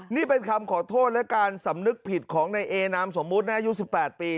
นี่เป็นคำขอโทษและการสำนึกผิดของในเอนามสมมุติอายุ๑๘ปี